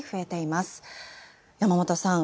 山本さん